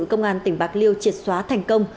công an tỉnh bạc liêu triệt xóa thành công